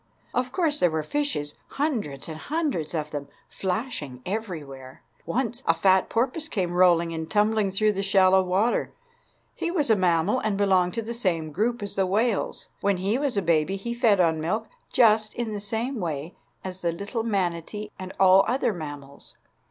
Of course there were fishes—hundreds and hundreds of them—flashing everywhere. Once a fat porpoise came rolling and tumbling through the shallow water. He was a mammal, and belonged to the same group as the whales. When he was a baby he fed on milk, just in the same way as the little manatee and all other mammals.